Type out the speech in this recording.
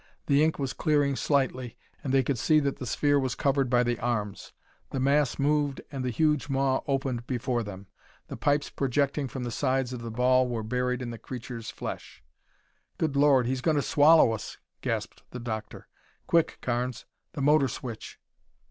The ink was clearing slightly and they could see that the sphere was covered by the arms. The mass moved and the huge maw opened before them. The pipes projecting from the sides of the ball were buried in the creature's flesh. "Good Lord, he's going to swallow us!" gasped the doctor. "Quick, Carnes, the motor switch."